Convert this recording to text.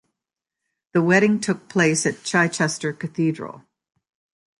The wedding took place at Chichester Cathedral.